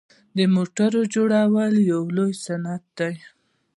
د موټرو جوړول یو لوی صنعت دی.